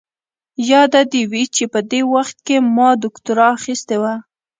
ياده دې وي چې په دې وخت کې ما دوکتورا اخيستې وه.